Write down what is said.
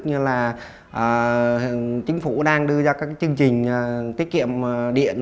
như là chính phủ đang đưa ra các chương trình tiết kiệm điện